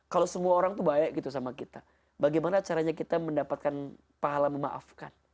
kalau semua orang tuh baik gitu sama kita bagaimana caranya kita mendapatkan pahala memaafkan